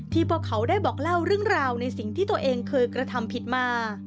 พวกเขาได้บอกเล่าเรื่องราวในสิ่งที่ตัวเองเคยกระทำผิดมา